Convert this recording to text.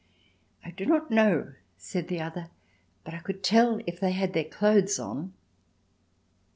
"I do not know," said the other, "but I could tell if they had their clothes on."